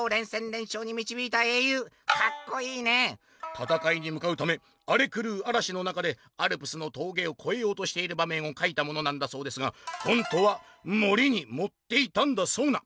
「たたかいにむかうためあれくるうあらしの中でアルプスの峠を越えようとしている場面を描いたものなんだそうですが本当は盛りに盛っていたんだそうな！」。